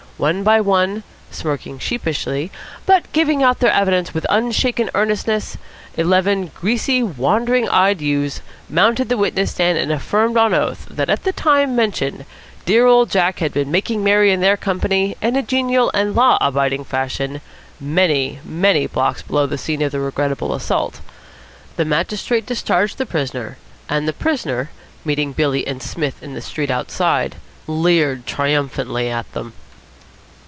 One by one, smirking sheepishly, but giving out their evidence with unshaken earnestness, eleven greasy, wandering eyed youths mounted the witness stand and affirmed on oath that at the time mentioned dear old Jack had been making merry in their company in a genial and law abiding fashion, many, many blocks below the scene of the regrettable assault. The magistrate discharged the prisoner, and the prisoner, meeting Billy and Psmith in the street outside, leered triumphantly at them.